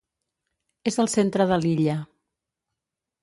És al centre de l'illa.